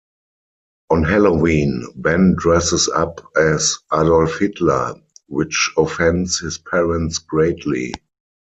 On Halloween, Ben dresses up as Adolf Hitler, which offends his parents greatly.